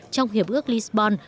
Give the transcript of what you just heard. trong hiệp ước lisbon